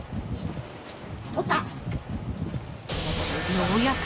［ようやく］